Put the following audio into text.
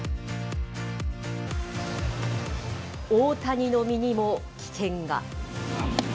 大谷の身にも危険が。